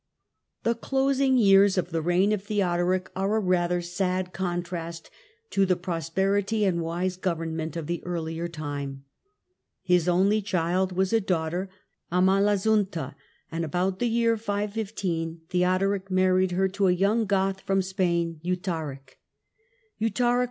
The closing years of the reign of Theodoric are a Last year ather sad contrast to the prosperity and wise govern doric lent of the earlier time. His only child was a daughter, Lmalasuentha, and about the year 515 Theodoric married er to a young Goth from Spain, Eutharic. Eutharic ?